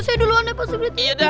saya duluan pak serigiti